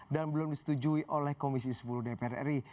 dan belum disetujui oleh komisi sepuluh dpr ri